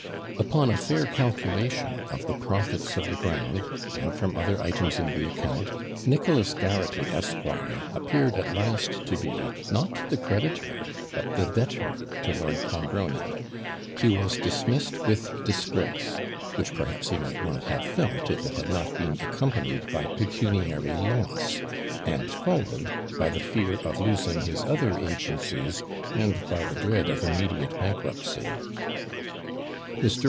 Upon a fair calculation of the profits of the ground, and from other items in the account, Nicholas Garraghty, Esq., appeared at last to be, not the creditor, but the debtor to Lord Clonbrony. He was dismissed with disgrace, which perhaps he might not have felt, if it had not been accompanied by pecuniary loss, and followed by the fear of losing his other agencies, and by the dread of immediate bankruptcy. Mr.